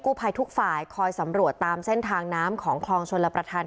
ภัยทุกฝ่ายคอยสำรวจตามเส้นทางน้ำของคลองชนรับประทาน